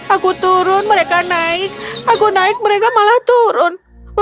aku turun mereka naik aku naik mereka malah turun